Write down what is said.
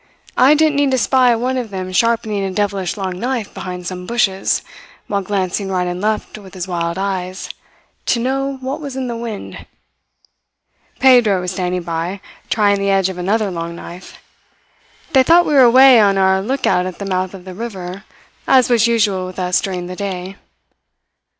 I didn't need to spy one of them sharpening a devilish long knife behind some bushes, while glancing right and left with his wild eyes, to know what was in the wind. Pedro was standing by, trying the edge of another long knife. They thought we were away on our lookout at the mouth of the river, as was usual with us during the day.